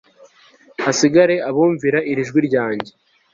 hasigare abumvira iri jwi ryanjye